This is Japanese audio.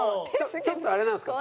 ちょっとあれなんですか？